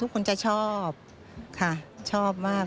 คนจะชอบค่ะชอบมาก